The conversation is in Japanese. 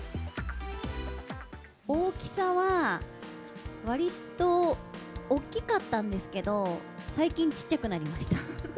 大きさはわりとおっきかったんですけど、最近ちっちゃくなりました。